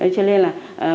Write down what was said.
cho nên là